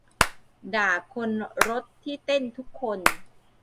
ด่าคนรถที่เต้นทุกคน